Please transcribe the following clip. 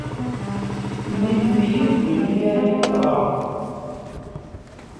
Inimt-iyi-d melmi ara iyi-d-teɣremt.